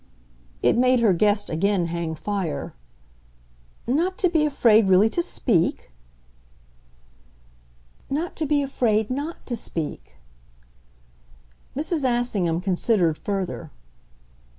It made her guest again hang fire. "Not to be afraid really to speak?" "Not to be afraid NOT to speak." Mrs. Assingham considered further.